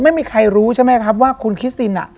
ไม่มีใครรู้ใช่ไหมครับว่าคุณคิสติน